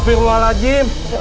beri kedaan mobil parenthesis